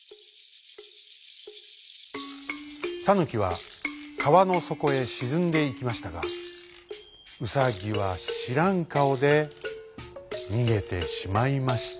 タヌキはかわのそこへしずんでいきましたがウサギはしらんかおでにげてしまいましたとさ。